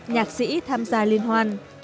nhạc sĩ tham gia liên hoan